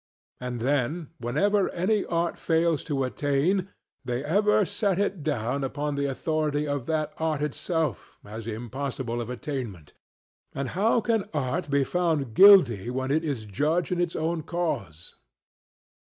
And then whatever any art fails to attain, they ever set it down upon the authority of that art itself as impossible of attainment; and how can art be found guilty when it is judge in its own cause?